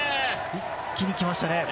一気に来ましたね。